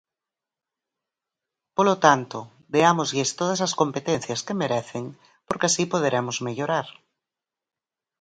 Polo tanto, deámoslles todas as competencias que merecen, porque así poderemos mellorar.